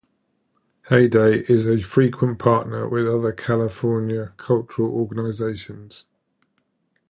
Heyday is a frequent partner with other California cultural organizations.